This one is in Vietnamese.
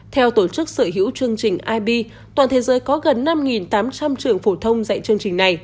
theo tổ chức sở hữu chương trình ib toàn thế giới có gần năm tám trăm linh trường phổ thông dạy chương trình này